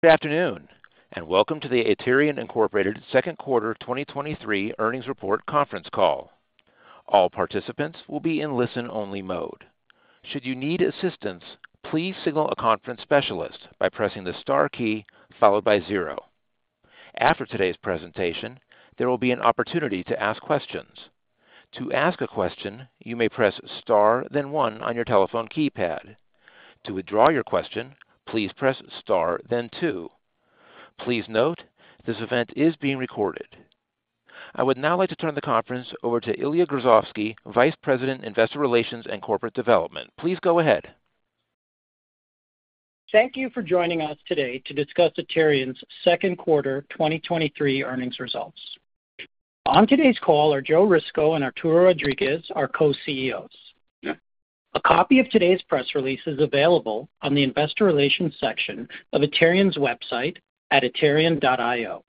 Good afternoon, and welcome to the Aterian Incorporated second quarter 2023 earnings report conference call. All participants will be in listen-only mode. Should you need assistance, please signal a conference specialist by pressing the star key followed by zero. After today's presentation, there will be an opportunity to ask questions. To ask a question, you may press star, then one on your telephone keypad. To withdraw your question, please press star then two. Please note, this event is being recorded. I would now like to turn the conference over to Ilya Grozovsky, Vice President, Investor Relations and Corporate Development. Please go ahead. Thank you for joining us today to discuss Aterian's 2Q 2023 earnings results. On today's call are Joe Risico and Arturo Rodriguez, our Co-CEOs. A copy of today's press release is available on the Investor Relations section of Aterian's website at aterian.io.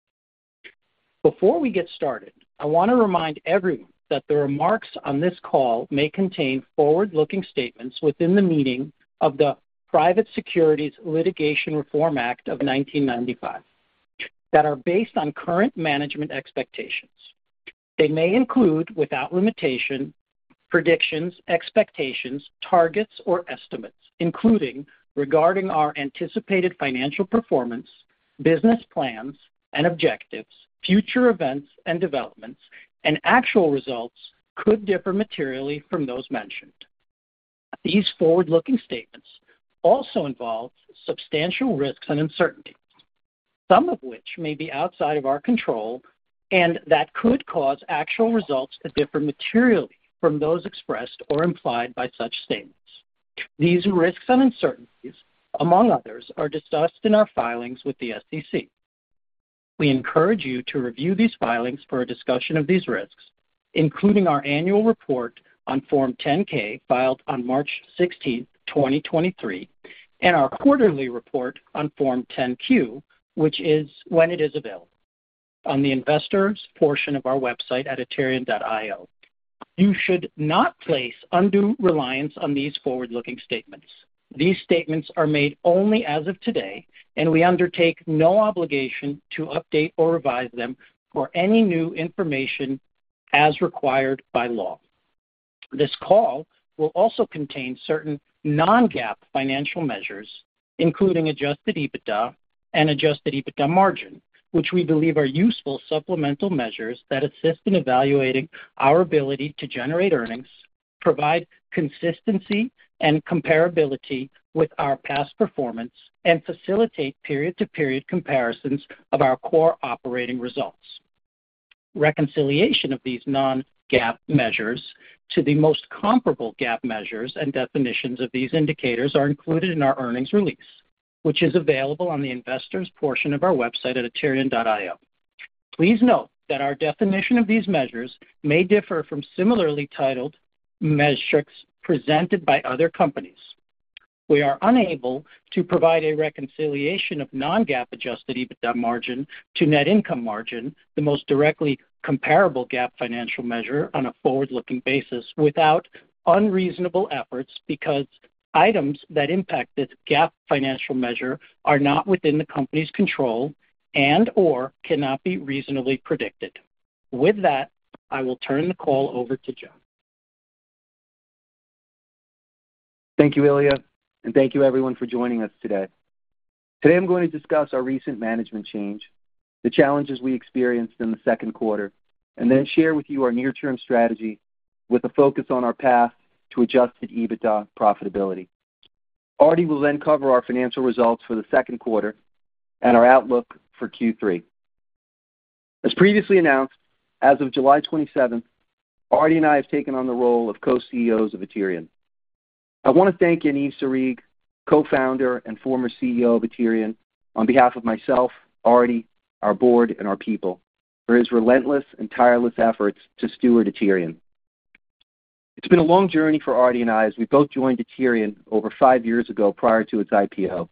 Before we get started, I want to remind everyone that the remarks on this call may contain forward-looking statements within the meaning of the Private Securities Litigation Reform Act of 1995, that are based on current management expectations. They may include, without limitation, predictions, expectations, targets, or estimates, including regarding our anticipated financial performance, business plans and objectives, future events and developments, and actual results could differ materially from those mentioned. These forward-looking statements also involve substantial risks and uncertainties, some of which may be outside of our control, and that could cause actual results to differ materially from those expressed or implied by such statements. These risks and uncertainties, among others, are discussed in our filings with the SEC. We encourage you to review these filings for a discussion of these risks, including our annual report on Form 10-K, filed on March 16, 2023, and our quarterly report on Form 10-Q, which is when it is available on the investors portion of our website at aterian.io. You should not place undue reliance on these forward-looking statements. These statements are made only as of today, we undertake no obligation to update or revise them for any new information as required by law. This call will also contain certain non-GAAP financial measures, including adjusted EBITDA and adjusted EBITDA margin, which we believe are useful supplemental measures that assist in evaluating our ability to generate earnings, provide consistency and comparability with our past performance, and facilitate period-to-period comparisons of our core operating results. Reconciliation of these non-GAAP measures to the most comparable GAAP measures and definitions of these indicators are included in our earnings release, which is available on the investors portion of our website at aterian.io. Please note that our definition of these measures may differ from similarly titled metrics presented by other companies. We are unable to provide a reconciliation of non-GAAP adjusted EBITDA margin to net income margin, the most directly comparable GAAP financial measure on a forward-looking basis, without unreasonable efforts, because items that impact this GAAP financial measure are not within the company's control and/or cannot be reasonably predicted. With that, I will turn the call over to Joe. Thank you, Ilya, thank you everyone for joining us today. Today, I'm going to discuss our recent management change, the challenges we experienced in the second quarter, and then share with you our near-term strategy with a focus on our path to adjusted EBITDA profitability. Artie will then cover our financial results for the second quarter and our outlook for Q3. As previously announced, as of July 27th, Artie and I have taken on the role of co-CEOs of Aterian. I want to thank Yaniv Sarig, co-founder and former CEO of Aterian, on behalf of myself, Artie, our board, and our people, for his relentless and tireless efforts to steward Aterian. It's been a long journey for Artie and I, as we both joined Aterian over five years ago prior to its IPO.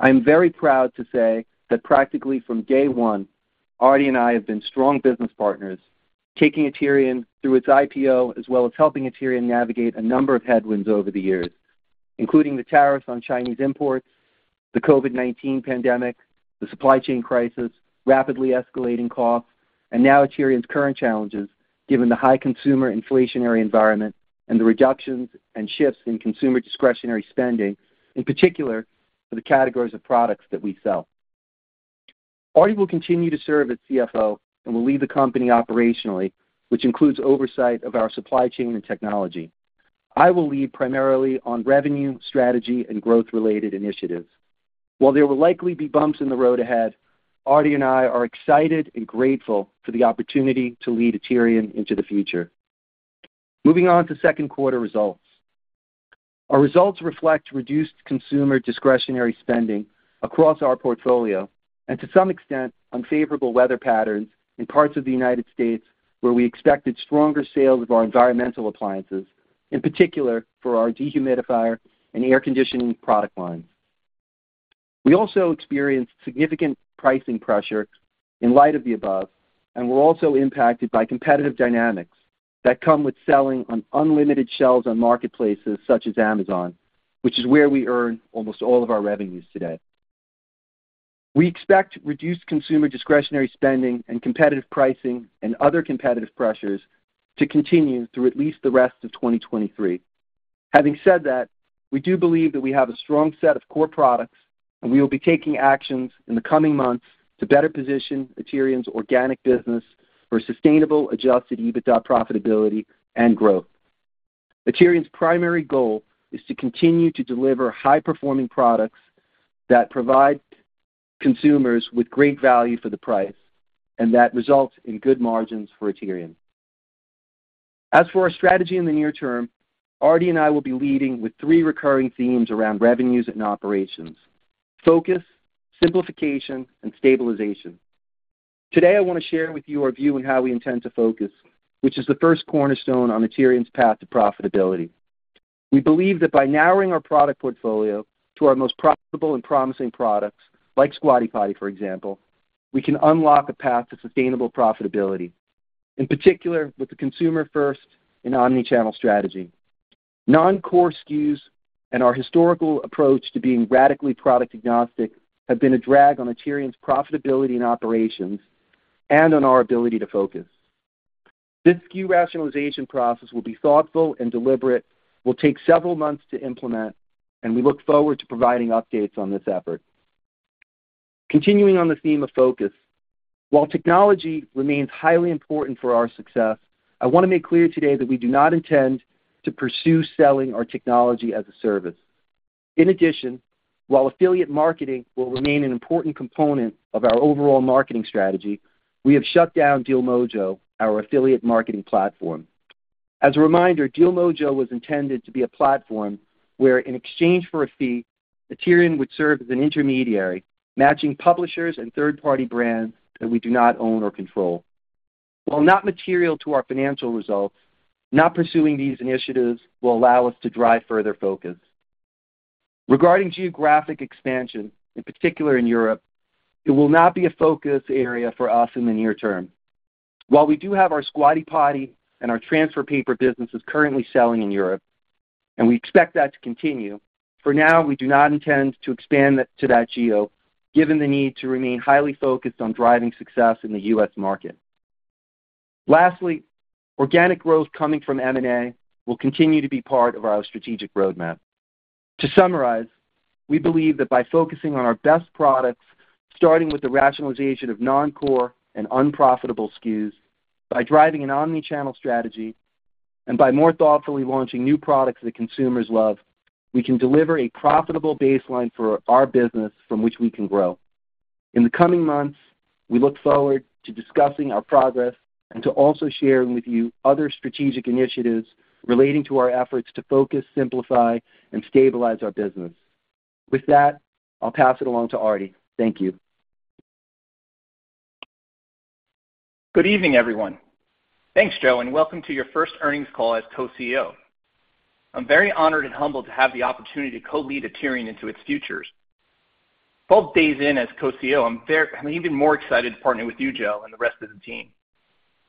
I'm very proud to say that practically from day one, Artie and I have been strong business partners, taking Aterian through its IPO, as well as helping Aterian navigate a number of headwinds over the years, including the tariffs on Chinese imports, the COVID-19 pandemic, the supply chain crisis, rapidly escalating costs, and now Aterian's current challenges, given the high consumer inflationary environment and the reductions and shifts in consumer discretionary spending, in particular for the categories of products that we sell. Artie will continue to serve as CFO and will lead the company operationally, which includes oversight of our supply chain and technology. I will lead primarily on revenue, strategy, and growth-related initiatives. While there will likely be bumps in the road ahead, Artie and I are excited and grateful for the opportunity to lead Aterian into the future. Moving on to second quarter results. Our results reflect reduced consumer discretionary spending across our portfolio and to some extent, unfavorable weather patterns in parts of the United States, where we expected stronger sales of our environmental appliances, in particular for our dehumidifier and air conditioning product lines. We also experienced significant pricing pressure, in light of the above, and we're also impacted by competitive dynamics that come with selling on unlimited shelves on marketplaces such as Amazon, which is where we earn almost all of our revenues today. We expect reduced consumer discretionary spending and competitive pricing and other competitive pressures to continue through at least the rest of 2023. Having said that, we do believe that we have a strong set of core products, and we will be taking actions in the coming months to better position Aterian's organic business for sustainable, adjusted EBITDA profitability and growth. Aterian's primary goal is to continue to deliver high-performing products that provide consumers with great value for the price and that results in good margins for Aterian. As for our strategy in the near term, Artie and I will be leading with three recurring themes around revenues and operations: focus, simplification, and stabilization. Today, I want to share with you our view on how we intend to focus, which is the first cornerstone on Aterian's path to profitability. We believe that by narrowing our product portfolio to our most profitable and promising products, like Squatty Potty, for example, we can unlock a path to sustainable profitability, in particular with the consumer-first and omni-channel strategy. Non-core SKUs and our historical approach to being radically product agnostic have been a drag on Aterian's profitability and operations and on our ability to focus. This SKU rationalization process will be thoughtful and deliberate, will take several months to implement, and we look forward to providing updates on this effort. Continuing on the theme of focus, while technology remains highly important for our success, I want to make clear today that we do not intend to pursue selling our technology as a service. In addition, while affiliate marketing will remain an important component of our overall marketing strategy, we have shut down DealMojo, our affiliate marketing platform. As a reminder, DealMojo was intended to be a platform where, in exchange for a fee, Aterian would serve as an intermediary, matching publishers and third-party brands that we do not own or control. While not material to our financial results, not pursuing these initiatives will allow us to drive further focus. Regarding geographic expansion, in particular in Europe, it will not be a focus area for us in the near term. While we do have our Squatty Potty and our transfer paper businesses currently selling in Europe, and we expect that to continue, for now, we do not intend to expand that to that geo, given the need to remain highly focused on driving success in the U.S. market. Lastly, organic growth coming from M&A will continue to be part of our strategic roadmap. To summarize, we believe that by focusing on our best products, starting with the rationalization of non-core and unprofitable SKUs, by driving an omni-channel strategy, and by more thoughtfully launching new products that consumers love, we can deliver a profitable baseline for our business from which we can grow. In the coming months, we look forward to discussing our progress and to also sharing with you other strategic initiatives relating to our efforts to focus, simplify, and stabilize our business. With that, I'll pass it along to Artie. Thank you. Good evening, everyone. Thanks, Joe, and welcome to your first earnings call as Co-CEO. I'm very honored and humbled to have the opportunity to co-lead Aterian into its futures. Both days in as Co-CEO, I'm even more excited to partner with you, Joe, and the rest of the team.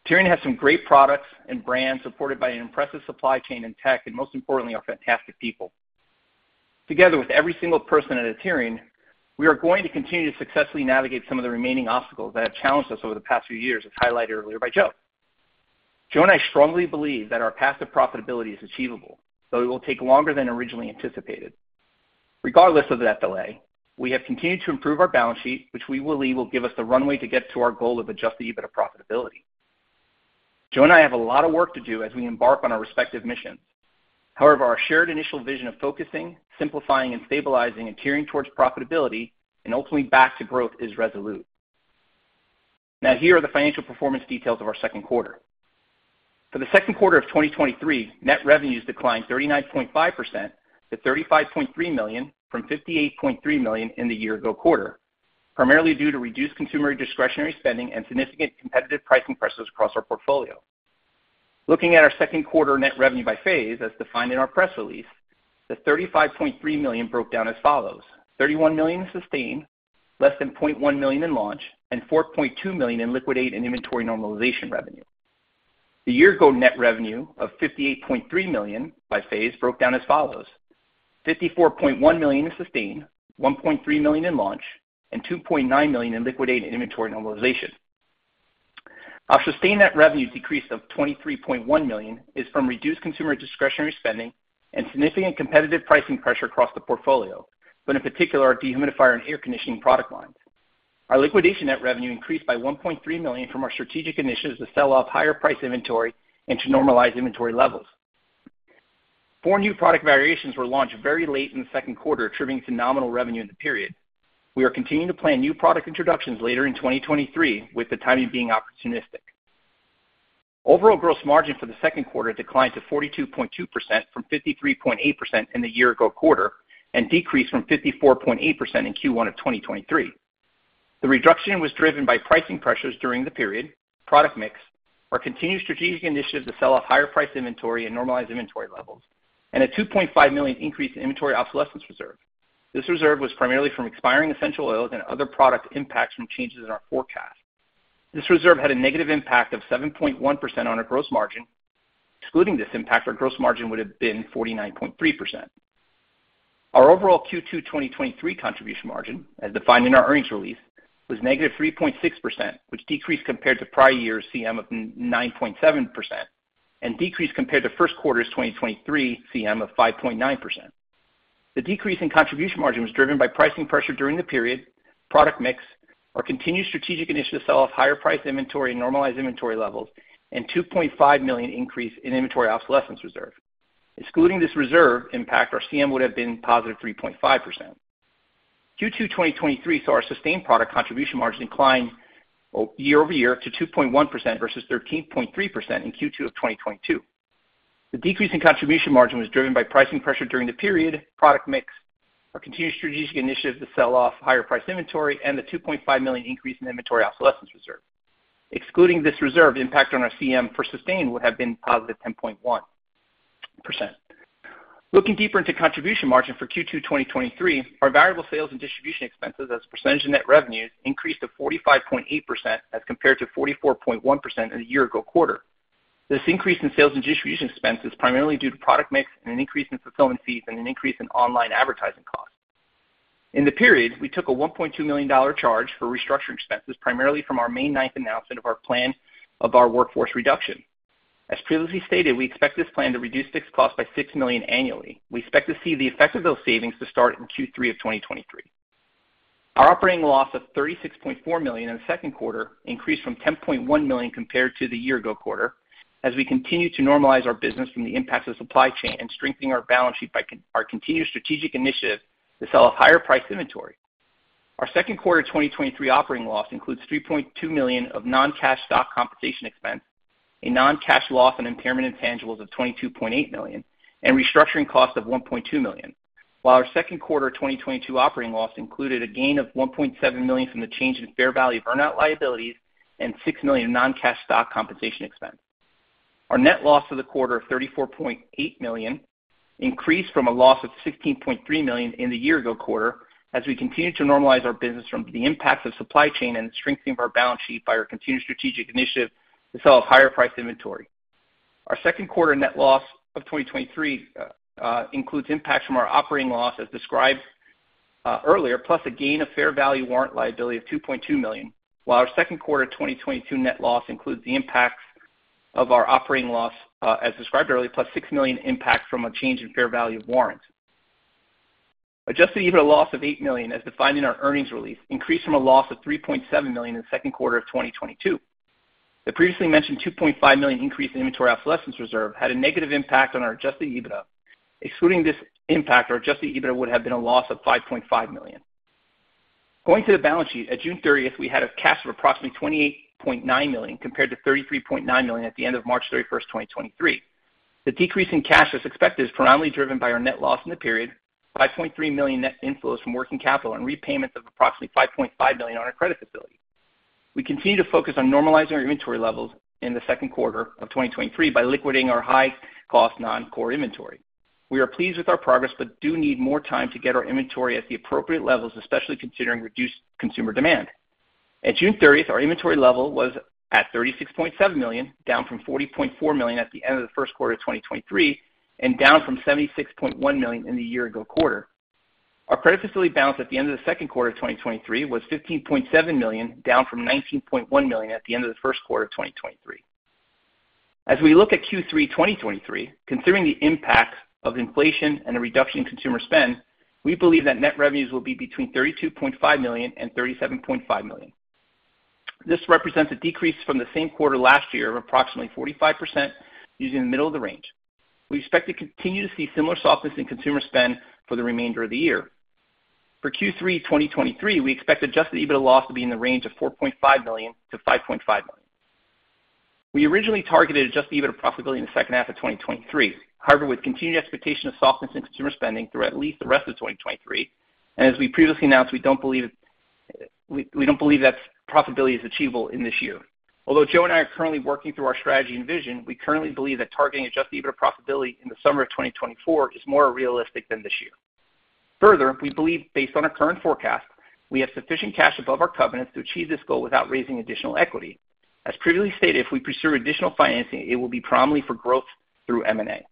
Aterian has some great products and brands supported by an impressive supply chain and tech, and most importantly, our fantastic people. Together with every single person at Aterian, we are going to continue to successfully navigate some of the remaining obstacles that have challenged us over the past few years, as highlighted earlier by Joe. Joe and I strongly believe that our path to profitability is achievable, though it will take longer than originally anticipated. Regardless of that delay, we have continued to improve our balance sheet, which we believe will give us the runway to get to our goal of adjusted EBITDA profitability. Joe and I have a lot of work to do as we embark on our respective missions. However, our shared initial vision of focusing, simplifying, and stabilizing Aterian towards profitability and ultimately back to growth is resolute. Now, here are the financial performance details of our second quarter. For the second quarter of 2023, net revenues declined 39.5% to $35.3 million from $58.3 million in the year ago quarter, primarily due to reduced consumer discretionary spending and significant competitive pricing pressures across our portfolio. Looking at our second quarter net revenue by phase, as defined in our press release, the $35.3 million broke down as follows: $31 million in sustain, less than $0.1 million in launch, and $4.2 million in liquidate and inventory normalization revenue. The year ago net revenue of $58.3 million by phase broke down as follows: $54.1 million in sustain, $1.3 million in launch, and $2.9 million in liquidate and inventory normalization. Our sustain net revenue decrease of $23.1 million is from reduced consumer discretionary spending and significant competitive pricing pressure across the portfolio, but in particular, our dehumidifier and air conditioning product lines. Our liquidate net revenue increased by $1.3 million from our strategic initiatives to sell off higher-priced inventory and to normalize inventory levels. Four new product variations were launched very late in the second quarter, attributing to nominal revenue in the period. We are continuing to plan new product introductions later in 2023, with the timing being opportunistic. Overall gross margin for the second quarter declined to 42.2% from 53.8% in the year ago quarter, and decreased from 54.8% in Q1 of 2023. The reduction was driven by pricing pressures during the period, product mix, our continued strategic initiatives to sell off higher-priced inventory and normalize inventory levels, and a $2.5 million increase in inventory obsolescence reserve. This reserve was primarily from expiring essential oils and other product impacts from changes in our forecast. This reserve had a negative impact of 7.1% on our gross margin. Excluding this impact, our gross margin would have been 49.3%. Our overall Q2 2023 contribution margin, as defined in our earnings release, was -3.6%, which decreased compared to prior year's CM of 9.7%, decreased compared to first quarter's 2023 CM of 5.9%. The decrease in contribution margin was driven by pricing pressure during the period, product mix, our continued strategic initiative to sell off higher priced inventory and normalize inventory levels, and $2.5 million increase in inventory obsolescence reserve. Excluding this reserve impact, our CM would have been +3.5%. Q2 2023 saw our sustained product contribution margin decline year-over-year to 2.1% versus 13.3% in Q2 of 2022. The decrease in contribution margin was driven by pricing pressure during the period, product mix, our continued strategic initiative to sell off higher priced inventory, and the $2.5 million increase in inventory obsolescence reserve. Excluding this reserve, the impact on our CM for Aterian would have been positive 10.1%. Looking deeper into contribution margin for Q2 2023, our variable sales and distribution expenses as a percentage of net revenues increased to 45.8% as compared to 44.1% in the year ago quarter. This increase in sales and distribution expense is primarily due to product mix and an increase in fulfillment fees and an increase in online advertising costs. In the period, we took a $1.2 million charge for restructuring expenses, primarily from our May 9th announcement of our plan of our workforce reduction. As previously stated, we expect this plan to reduce fixed costs by $6 million annually. We expect to see the effect of those savings to start in Q3 of 2023. Our operating loss of $36.4 million in the second quarter increased from $10.1 million compared to the year-ago quarter as we continue to normalize our business from the impacts of supply chain and strengthening our balance sheet by our continued strategic initiative to sell off higher priced inventory. Our second quarter 2023 operating loss includes $3.2 million of non-cash stock compensation expense, a non-cash loss and impairment intangibles of $22.8 million, and restructuring costs of $1.2 million. While our second quarter 2022 operating loss included a gain of $1.7 million from the change in fair value of earn-out liabilities and $6 million non-cash stock compensation expense. Our net loss for the quarter of $34.8 million increased from a loss of $16.3 million in the year ago quarter as we continue to normalize our business from the impacts of supply chain and strengthening of our balance sheet by our continued strategic initiative to sell off higher priced inventory. Our second quarter net loss of 2023 includes impacts from our operating loss, as described earlier, plus a gain of fair value warrant liability of $2.2 million, while our second quarter 2022 net loss includes the impacts of our operating loss, as described earlier, plus $6 million impact from a change in fair value of warrants. Adjusted EBITDA loss of $8 million, as defined in our earnings release, increased from a loss of $3.7 million in the second quarter of 2022. The previously mentioned $2.5 million increase in inventory obsolescence reserve had a negative impact on our adjusted EBITDA. Excluding this impact, our adjusted EBITDA would have been a loss of $5.5 million. Going to the balance sheet, at June 30th, we had a cash of approximately $28.9 million, compared to $33.9 million at the end of March 31st, 2023. The decrease in cash, as expected, is predominantly driven by our net loss in the period, $5.3 million net inflows from working capital, and repayments of approximately $5.5 million on our credit facility. We continue to focus on normalizing our inventory levels in the second quarter of 2023 by liquidating our high-cost non-core inventory. We are pleased with our progress, do need more time to get our inventory at the appropriate levels, especially considering reduced consumer demand. At June 30th, our inventory level was at $36.7 million, down from $40.4 million at the end of the first quarter of 2023, and down from $76.1 million in the year-ago quarter. Our credit facility balance at the end of the second quarter of 2023 was $15.7 million, down from $19.1 million at the end of the first quarter of 2023. As we look at Q3 2023, considering the impacts of inflation and a reduction in consumer spend, we believe that net revenues will be between $32.5 million and $37.5 million. This represents a decrease from the same quarter last year of approximately 45% using the middle of the range. We expect to continue to see similar softness in consumer spend for the remainder of the year. For Q3 2023, we expect adjusted EBITDA loss to be in the range of $4.5 million-$5.5 million. We originally targeted adjusted EBITDA profitability in the second half of 2023. With continued expectation of softness in consumer spending through at least the rest of 2023, and as we previously announced, we don't believe that profitability is achievable in this year. Although Joe and I are currently working through our strategy and vision, we currently believe that targeting adjusted EBITDA profitability in the summer of 2024 is more realistic than this year. We believe, based on our current forecast, we have sufficient cash above our covenants to achieve this goal without raising additional equity. As previously stated, if we pursue additional financing, it will be primarily for growth through M&A.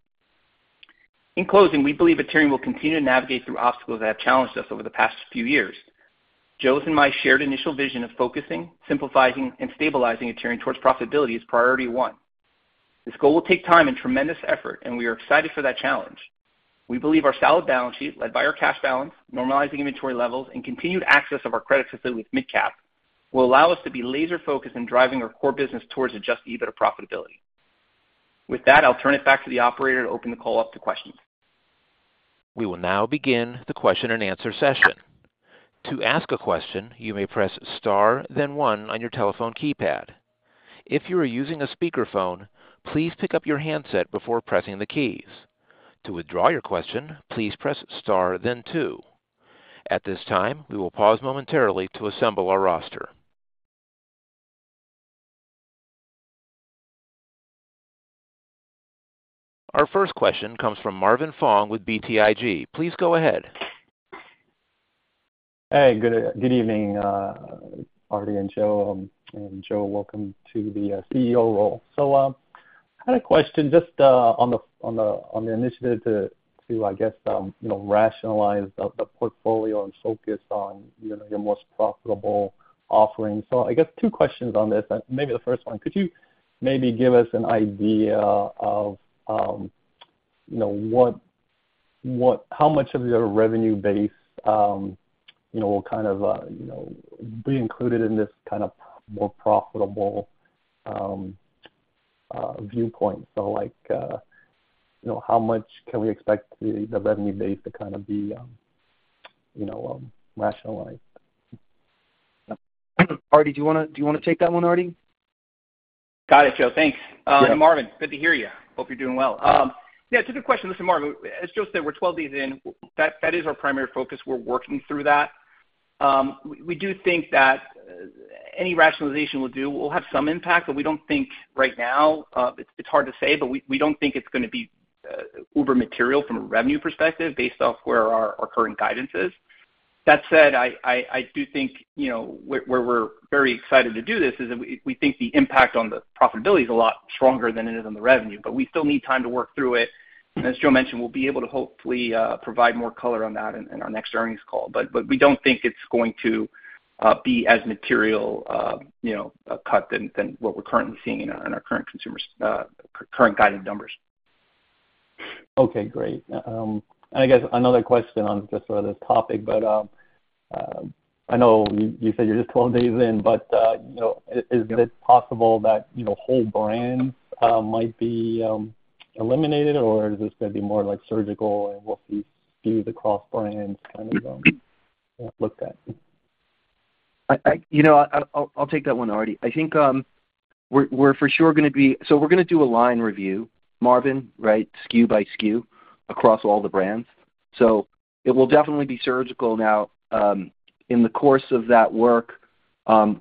In closing, we believe Aterian will continue to navigate through obstacles that have challenged us over the past few years. Joe's and my shared initial vision of focusing, simplifying, and stabilizing Aterian towards profitability is priority one. This goal will take time and tremendous effort, and we are excited for that challenge. We believe our solid balance sheet, led by our cash balance, normalizing inventory levels, and continued access of our credit facility with MidCap, will allow us to be laser-focused in driving our core business towards adjusted EBITDA profitability. With that, I'll turn it back to the operator to open the call up to questions. We will now begin the question-and-answer session. To ask a question, you may press star, then one on your telephone keypad. If you are using a speakerphone, please pick up your handset before pressing the keys. To withdraw your question, please press star then two. At this time, we will pause momentarily to assemble our roster. Our first question comes from Marvin Fong with BTIG. Please go ahead. Hey, good evening, Artie and Joe. Joe, welcome to the CEO role. I had a question just on the, on the, on the initiative to, to, I guess, you know, rationalize the, the portfolio and focus on, you know, your most profitable offerings. I guess two questions on this. Maybe the first one, could you maybe give us an idea of, you know, how much of your revenue base, you know, will kind of, you know, be included in this kind of more profitable, viewpoint? Like, you know, how much can we expect the, the revenue base to kind of be, you know, rationalized? Artie, do you wanna, do you wanna take that one, Artie? Got it, Joe. Thanks. Yeah. Marvin, good to hear you. Hope you're doing well. Yeah, it's a good question. Listen, Marvin, as Joe said, we're 12 days in. That, that is our primary focus. We're working through that. We, we do think that any rationalization we'll do will have some impact, but we don't think right now, it's, it's hard to say, but we, we don't think it's gonna be uber material from a revenue perspective based off where our, our current guidance is. That said, I, I, I do think, you know, where, where we're very excited to do this is that we, we think the impact on the profitability is a lot stronger than it is on the revenue, but we still need time to work through it. As Joe mentioned, we'll be able to hopefully provide more color on that in our next earnings call. We don't think it's going to be as material, you know, a cut than what we're currently seeing in our current consumers, current guided numbers. Okay, great. I guess another question on just on this topic, but, I know you, you said you're just 12 days in, but, you know, is it possible that, you know, whole brands, might be, eliminated, or is this gonna be more like surgical and we'll see through the cross brands kind of, looked at? You know, I'll, I'll take that one, Artie. I think we're gonna do a line review, Marvin, right? SKU by SKU across all the brands. It will definitely be surgical. Now, in the course of that work,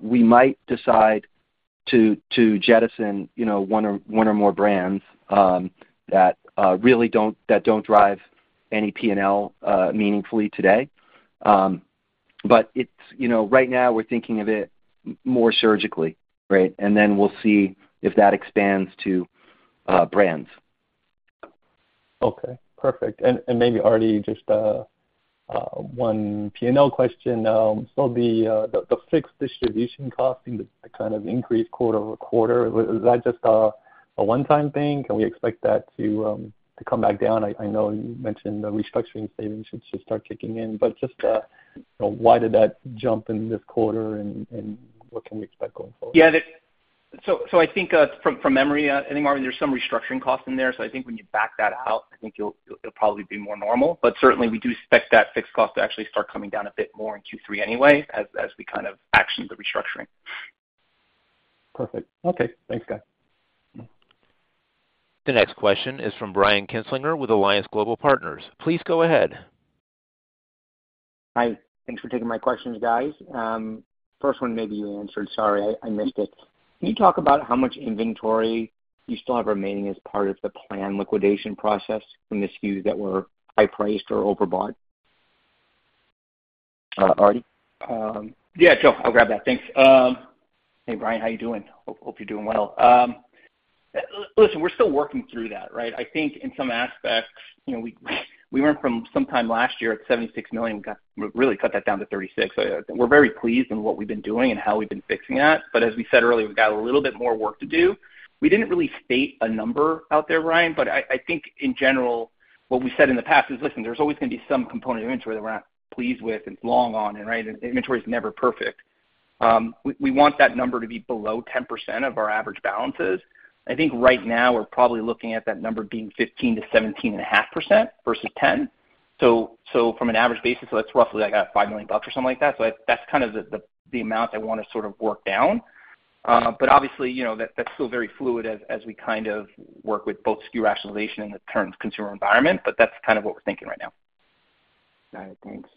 we might decide to jettison, you know, one or more brands that really don't drive any P&L meaningfully today. You know, right now we're thinking of it more surgically, right? Then we'll see if that expands to brands. Okay, perfect. And maybe, Artie, just one P&L question. So the, the fixed distribution cost and the, the kind of increase quarter-over-quarter, is that just a one-time thing? Can we expect that to come back down? I know you mentioned the restructuring savings should start kicking in, but just, you know, why did that jump in this quarter, and, and what can we expect going forward? Yeah, I think, from memory, I think, Marvin, there's some restructuring costs in there. I think when you back that out, I think it'll probably be more normal. Certainly, we do expect that fixed cost to actually start coming down a bit more in Q3 anyway, as we kind of action the restructuring. Perfect. Okay. Thanks, guys. The next question is from Brian Kinstlinger with Alliance Global Partners. Please go ahead. Hi. Thanks for taking my questions, guys. First one, maybe you answered. Sorry, I, I missed it. Can you talk about how much inventory you still have remaining as part of the plan liquidation process from the SKUs that were high-priced or overbought? Artie? Yeah, Joe, I'll grab that. Thanks. Hey, Brian, how you doing? Hope, hope you're doing well. Listen, we're still working through that, right? I think in some aspects, you know, we, we went from sometime last year at $76 million, we got-- we really cut that down to $36 million. We're very pleased in what we've been doing and how we've been fixing that. As we said earlier, we've got a little bit more work to do. We didn't really state a number out there, Brian, but I, I think in general, what we said in the past is, listen, there's always going to be some component of inventory that we're not pleased with and long on, and right, inventory is never perfect. We, we want that number to be below 10% of our average balances. I think right now we're probably looking at that number being 15%-17.5% versus 10. From an average basis, so that's roughly like, $5 million bucks or something like that. That's kind of the, the, the amount I want to sort of work down. Obviously, you know, that, that's still very fluid as, as we kind of work with both SKU rationalization and the current consumer environment, but that's kind of what we're thinking right now. Got it. Thanks.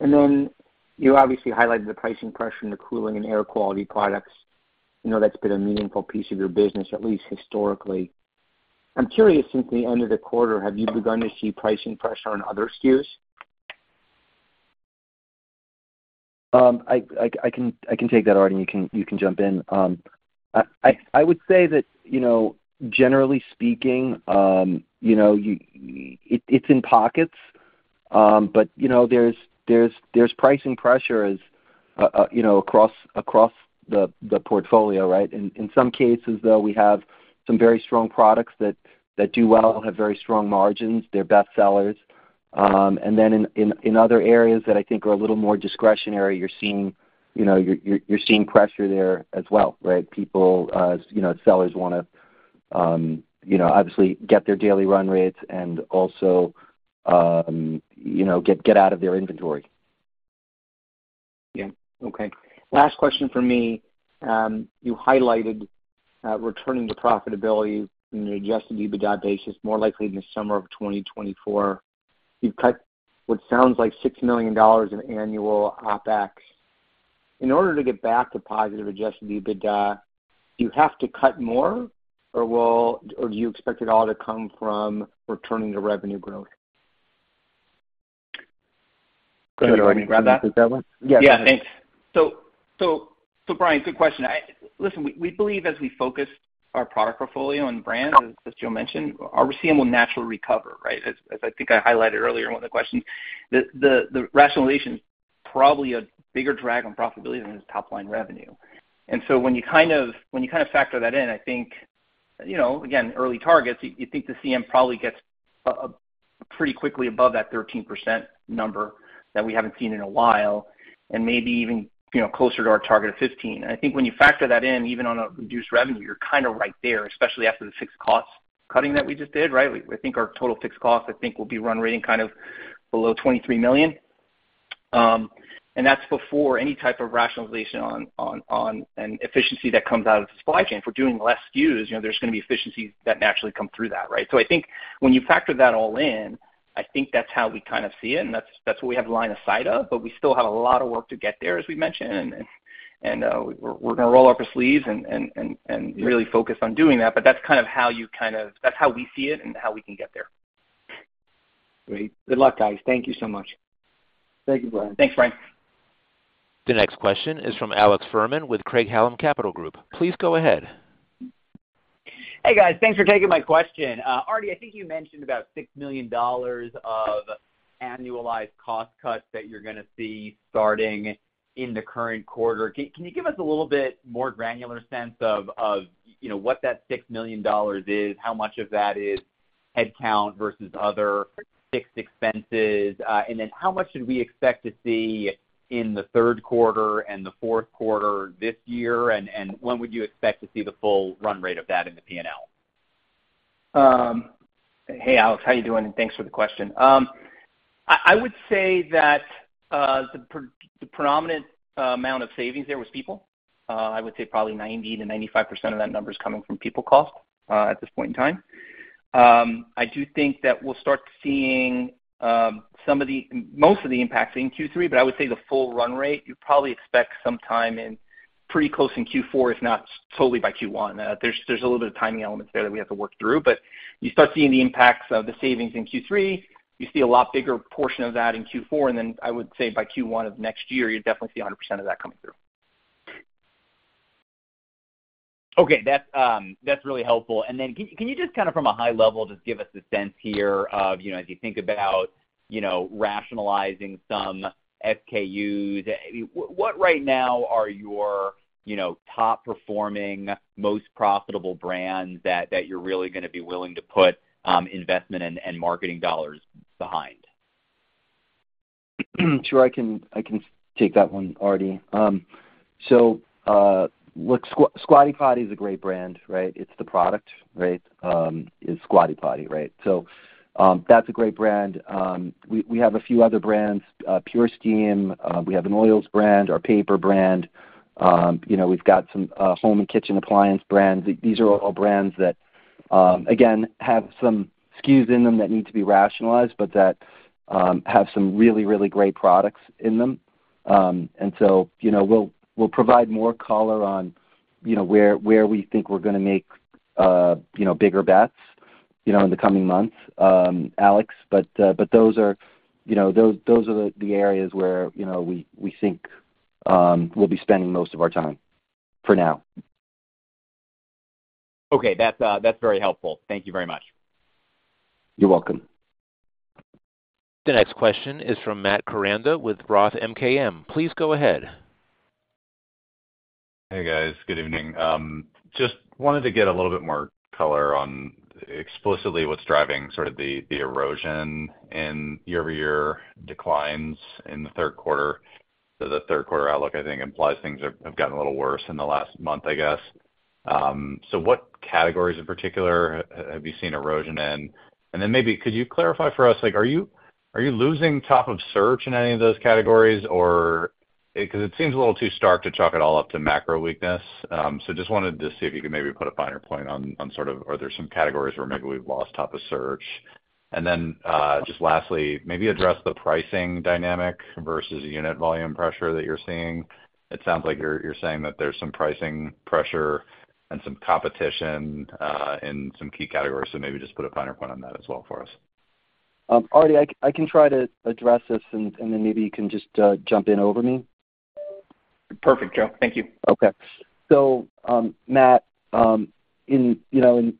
Then you obviously highlighted the pricing pressure in the cooling and air quality products. I know that's been a meaningful piece of your business, at least historically. I'm curious, since the end of the quarter, have you begun to see pricing pressure on other SKUs? I, I, I can, I can take that, Artie, and you can, you can jump in. I, I, I would say that, you know, generally speaking, you know, it's in pockets, but, you know, there's, there's, there's pricing pressures, you know, across, across the, the portfolio, right? In, in some cases, though, we have some very strong products that, that do well and have very strong margins. They're best sellers. Then in, in, in other areas that I think are a little more discretionary, you're seeing, you know, you're, you're, you're seeing pressure there as well, right? People, you know, sellers wanna, you know, obviously get their daily run rates and also, you know, get, get out of their inventory. Yeah. Okay. Last question for me. You highlighted returning to profitability on an adjusted EBITDA basis, more likely in the summer of 2024. You've cut what sounds like $6 million in annual OpEx. In order to get back to positive adjusted EBITDA, do you have to cut more, or do you expect it all to come from returning to revenue growth? Go ahead, Artie, grab that? Yeah, thanks. So, so Brian, good question. I listen, we, we believe as we focus our product portfolio on brand, as, as Joe mentioned, our CM will naturally recover, right? As, as I think I highlighted earlier in one of the questions, the, the, the rationalization is probably a bigger drag on profitability than his top line revenue. So when you kind of, when you kind of factor that in, I think, you know, again, early targets, you, you think the CM probably gets pretty quickly above that 13% number that we haven't seen in a while, and maybe even, you know, closer to our target of 15. I think when you factor that in, even on a reduced revenue, you're kind of right there, especially after the fixed cost cutting that we just did, right? We think our total fixed cost, I think, will be run rating kind of below $23 million. That's before any type of rationalization on an efficiency that comes out of the supply chain. If we're doing less SKUs, you know, there's gonna be efficiencies that naturally come through that, right? I think when you factor that all in, I think that's how we kind of see it, and that's, that's what we have line of sight of, but we still have a lot of work to get there, as we mentioned, and we're gonna roll up our sleeves and really focus on doing that. That's kind of that's how we see it and how we can get there. Great. Good luck, guys. Thank you so much. Thank you, Brian. Thanks, Brian. The next question is from Alex Fuhrman with Craig-Hallum Capital Group. Please go ahead. Hey, guys. Thanks for taking my question. Artie, I think you mentioned about $6 million of annualized cost cuts that you're gonna see starting in the current quarter. Can you give us a little bit more granular sense of, you know, what that $6 million is? How much of that is headcount versus other fixed expenses? And then how much should we expect to see in the third quarter and the fourth quarter this year, and when would you expect to see the full run rate of that in the P&L? Hey, Alex, how you doing? Thanks for the question. I, I would say that the predominant amount of savings there was people. I would say probably 90%-95% of that number is coming from people cost at this point in time. I do think that we'll start seeing some of the most of the impacts in Q3, but I would say the full run rate, you'd probably expect some time in pretty close in Q4, if not totally by Q1. There's, there's a little bit of timing elements there that we have to work through, but you start seeing the impacts of the savings in Q3, you see a lot bigger portion of that in Q4, and then I would say by Q1 of next year, you'll definitely see 100% of that coming through. Okay, that's, that's really helpful. Then can, can you just kind of from a high level, just give us a sense here of, you know, as you think about, you know, rationalizing some SKUs, what right now are your, you know, top performing, most profitable brands that, that you're really gonna be willing to put investment and marketing dollars behind? Sure, I can, I can take that one, Artie. Look, Squatty Potty is a great brand, right? It's the product, right? It's Squatty Potty, right? That's a great brand. We, we have a few other brands, PurSteam, we have an oils brand, our paper brand, you know, we've got some home and kitchen appliance brands. These are all brands that, again, have some SKUs in them that need to be rationalized, but that have some really, really great products in them. You know, we'll, we'll provide more color on, you know, where, where we think we're gonna make, you know, bigger bets, you know, in the coming months, Alex. Those are, you know, those, those are the, the areas where, you know, we, we think, we'll be spending most of our time for now. Okay. That's, that's very helpful. Thank you very much. You're welcome. The next question is from Matt Koranda with Roth MKM. Please go ahead. Hey, guys. Good evening. Just wanted to get a little bit more color on explicitly what's driving sort of the, the erosion in year-over-year declines in the third quarter. The third quarter outlook, I think, implies things have, have gotten a little worse in the last month, I guess. So what categories in particular have you seen erosion in? Maybe could you clarify for us, like, are you, are you losing top of search in any of those categories? Or... Because it seems a little too stark to chalk it all up to macro weakness. Just wanted to see if you could maybe put a finer point on, on sort of, are there some categories where maybe we've lost top of search? Just lastly, maybe address the pricing dynamic versus unit volume pressure that you're seeing. It sounds like you're, you're saying that there's some pricing pressure and some competition in some key categories, so maybe just put a finer point on that as well for us. Artie, I, I can try to address this and, and then maybe you can just jump in over me. Perfect, Joe. Thank you. Okay. Matt, in, you know, in,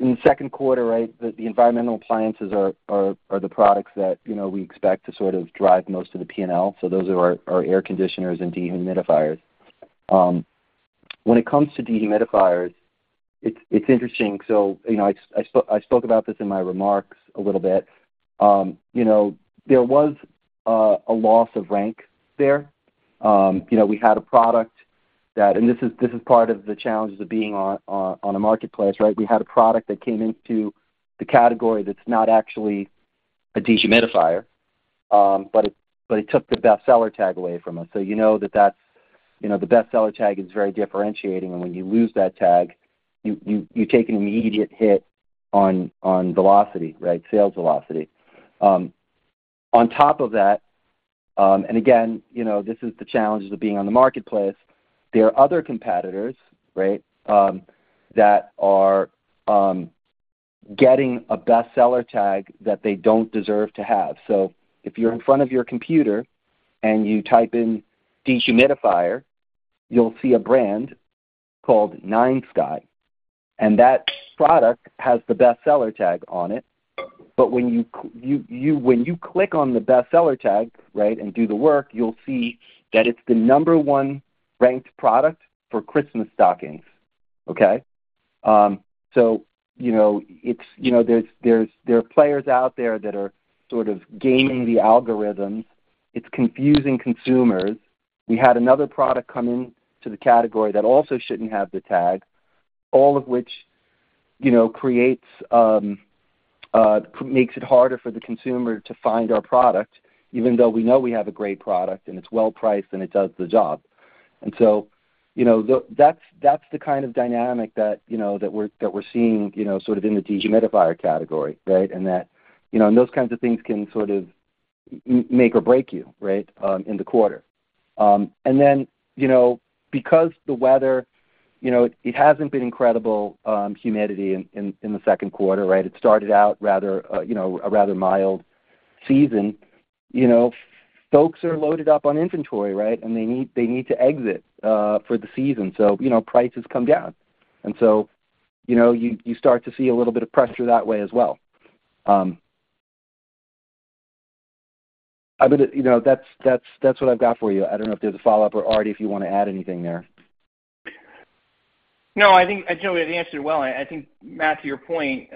in the second quarter, right, the, the environmental appliances are, are, are the products that, you know, we expect to sort of drive most of the P&L, so those are our, our air conditioners and dehumidifiers. When it comes to dehumidifiers, it's, it's interesting. You know, I spoke about this in my remarks a little bit. You know, there was a loss of rank there. You know, we had a product that... This is, this is part of the challenges of being on, on, on a marketplace, right? We had a product that came into the category that's not actually a dehumidifier, but it, but it took the bestseller tag away from us. You know that that's, you know, the bestseller tag is very differentiating, and when you lose that tag, you take an immediate hit on, on velocity, right? Sales velocity. On top of that, and again, you know, this is the challenges of being on the marketplace, there are other competitors, right, that are getting a bestseller tag that they don't deserve to have. If you're in front of your computer and you type in dehumidifier, you'll see a brand called NineSky, and that product has the bestseller tag on it. When you click on the bestseller tag, right, and do the work, you'll see that it's the number one ranked product for Christmas stockings, okay? So, you know, it's, you know, there's, there's, there are players out there that are sort of gaming the algorithm. It's confusing consumers. We had another product come into the category that also shouldn't have the tag, all of which, you know, creates, makes it harder for the consumer to find our product, even though we know we have a great product, and it's well-priced, and it does the job. So, you know, the, that's, that's the kind of dynamic that, you know, that we're, that we're seeing, you know, sort of in the dehumidifier category, right? That, you know, and those kinds of things can sort of m- make or break you, right, in the quarter? Then, you know, because the weather, you know, it hasn't been incredible, humidity in, in, in the second quarter, right? It started out rather, you know, a rather mild season. You know, folks are loaded up on inventory, right? They need, they need to exit for the season. You know, prices come down, and so, you know, you, you start to see a little bit of pressure that way as well. I mean, you know, that's, that's, that's what I've got for you. I don't know if there's a follow-up or, Artie, if you want to add anything there. No, I think, Joe, you answered it well. I think, Matt, to your point,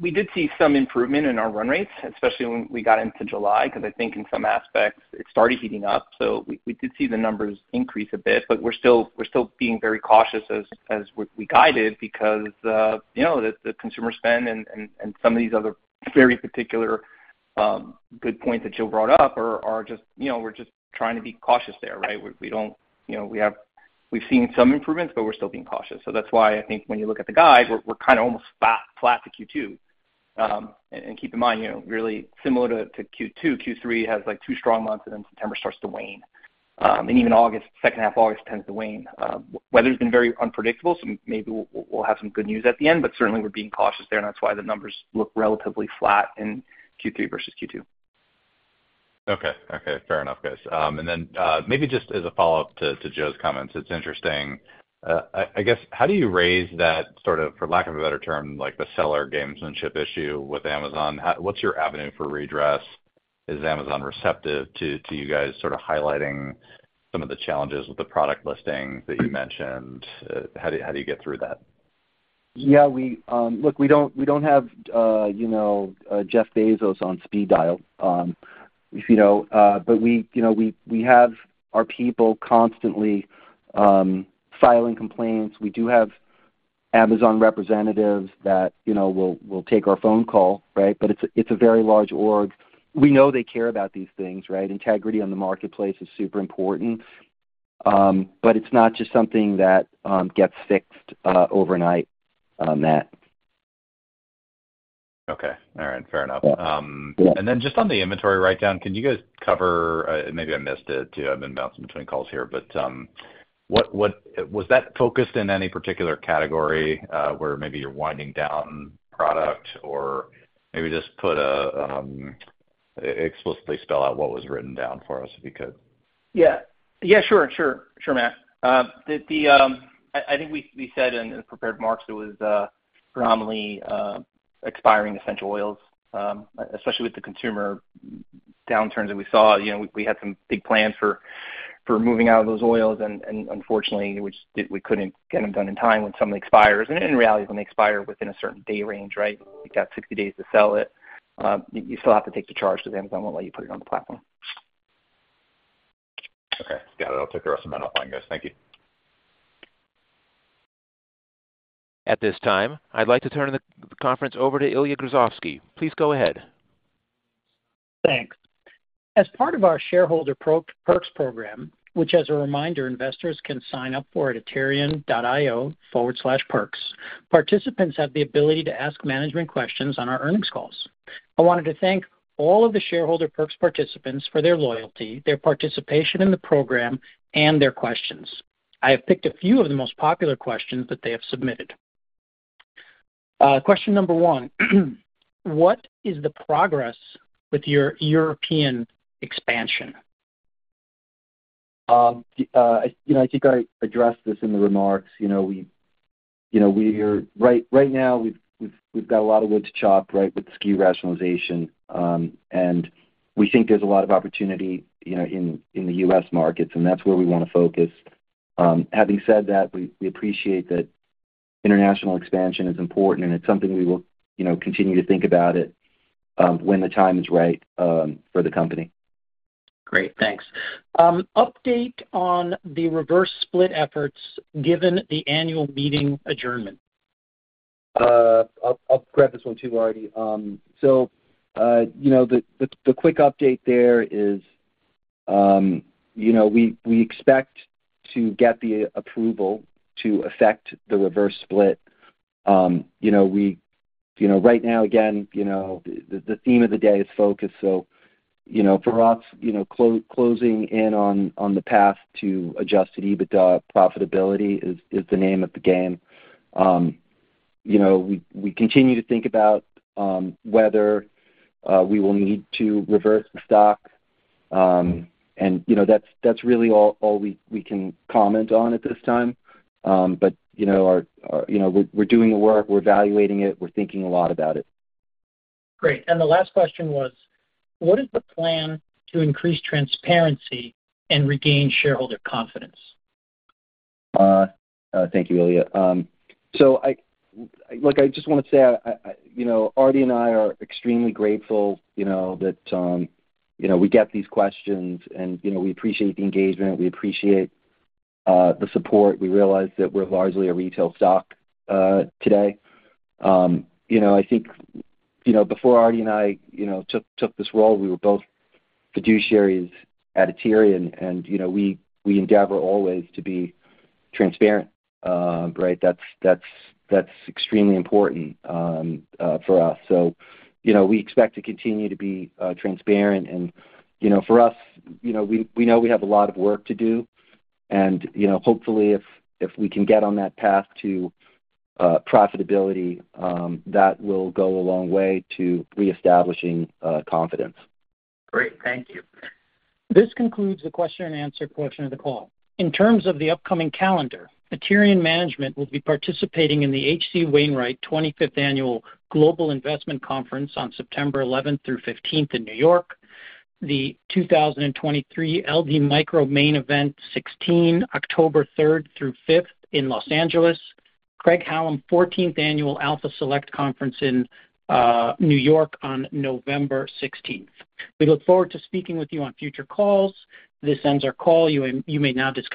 we did see some improvement in our run rates, especially when we got into July, because I think in some aspects it started heating up. We, we did see the numbers increase a bit. We're still, we're still being very cautious as, as we, we guided because, you know, the, the consumer spend and, and, and some of these other very particular, good points that Joe brought up are just. You know, we're just trying to be cautious there, right? We don't, you know, we have, we've seen some improvements, but we're still being cautious. That's why I think when you look at the guide, we're, we're kind of almost flat, flat to Q2. Keep in mind, you know, really similar to Q2, Q3 has, like, two strong months, and then September starts to wane. Even August, second half August tends to wane. Weather's been very unpredictable, so maybe we'll, we'll have some good news at the end, but certainly we're being cautious there, and that's why the numbers look relatively flat in Q3 versus Q2. Okay. Okay, fair enough, guys. Maybe just as a follow-up to Joe's comments, it's interesting. How do you raise that sort of, for lack of a better term, like the seller gamesmanship issue with Amazon? What's your avenue for redress? Is Amazon receptive to you guys sort of highlighting some of the challenges with the product listing that you mentioned? How do you, how do you get through that? Look, we don't, we don't have, you know, Jeff Bezos on speed dial, you know, but we, you know, we, we have our people constantly, filing complaints. We do have Amazon representatives that, you know, will, will take our phone call, right? It's a, it's a very large org. We know they care about these things, right? Integrity on the marketplace is super important, but it's not just something that gets fixed overnight, Matt. Okay. All right. Fair enough. Yeah. Just on the inventory write-down, can you guys cover, maybe I missed it, too? I've been bouncing between calls here. Was that focused in any particular category, where maybe you're winding down product or maybe just explicitly spell out what was written down for us, if you could? Yeah. Yeah, sure, sure. Sure, Matt. The, the, I think we said in the prepared marks, it was predominantly expiring essential oils, especially with the consumer downturns that we saw. You know, we had some big plans for moving out of those oils, and unfortunately, we just couldn't get them done in time. When something expires, and in reality, when they expire within a certain day range, right, you got 60 days to sell it, you still have to take the charge because Amazon won't let you put it on the platform. Okay, got it. I'll take the rest of them offline, guys. Thank you. At this time, I'd like to turn the conference over to Ilya Grozovsky. Please go ahead. Thanks. As part of our Shareholder Perks Program, which, as a reminder, investors can sign up for at aterian.io/perks, participants have the ability to ask management questions on our earnings calls. I wanted to thank all of the Shareholder Perks participants for their loyalty, their participation in the program, and their questions. I have picked a few of the most popular questions that they have submitted. Question number one: What is the progress with your European expansion? You know, I think I addressed this in the remarks. You know, we, you know, Right, right now, we've got a lot of wood to chop, right, with SKU rationalization, and we think there's a lot of opportunity, you know, in, in the U.S. markets, and that's where we want to focus. Having said that, we, we appreciate that international expansion is important, and it's something we will, you know, continue to think about it, when the time is right, for the company. Great. Thanks. Update on the reverse split efforts given the annual meeting adjournment. I'll, I'll grab this one, too, Artie. You know, the, the, the quick update there is... You know, we, we expect to get the approval to affect the reverse split. You know, we, you know, right now, again, you know, the, the theme of the day is focus. You know, for us, you know, closing in on, on the path to adjusted EBITDA profitability is, is the name of the game. You know, we, we continue to think about whether we will need to reverse the stock. You know, that's, that's really all, all we, we can comment on at this time. You know, our, our, you know, we're, we're doing the work, we're evaluating it, we're thinking a lot about it. Great. The last question was: What is the plan to increase transparency and regain shareholder confidence? Thank you, Ilya. Look, I just wanna say, you know, Artie and I are extremely grateful, you know, that, you know, we get these questions and, you know, we appreciate the engagement, we appreciate the support. We realize that we're largely a retail stock today. You know, I think, you know, before Artie and I, you know, took this role, we were both fiduciaries at Aterian, and, you know, we, we endeavor always to be transparent, right? That's extremely important for us. You know, we expect to continue to be transparent and, you know, for us, you know, we, we know we have a lot of work to do. you know, hopefully, if, if we can get on that path to profitability, that will go a long way to reestablishing confidence. Great. Thank you. This concludes the question and answer portion of the call. In terms of the upcoming calendar, Aterian management will be participating in the HC Wainwright 25th Annual Global Investment Conference on September 11th through 15th in New York, the 2023 LD Micro Main Event XVI, October 3rd through 5th in Los Angeles, Craig-Hallum 14th Annual Alpha Select Conference in New York on November 16th. We look forward to speaking with you on future calls. This ends our call. You may, you may now disconnect.